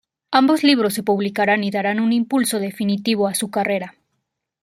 Ambos libros se publicarán y darán un impulso definitivo a su carrera.